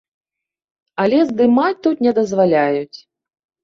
Але здымаць тут не дазваляюць.